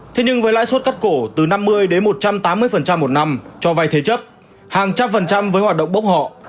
thế nhưng với lãi suất cắt cổ từ năm mươi đến một trăm tám mươi một năm cho vay thế chấp hàng trăm phần trăm với hoạt động bốc họ